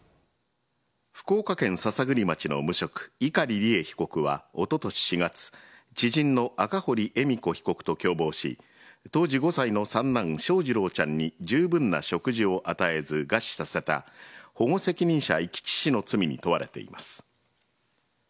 福岡県篠栗町の無職碇利恵被告はおととし４月知人の赤堀恵美子被告と共謀し当時５歳の三男・翔士郎ちゃんにじゅうぶんな食事を与えず餓死させた保護責任者遺棄致死の罪に問われています。